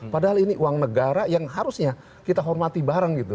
padahal ini uang negara yang harusnya kita hormati bareng gitu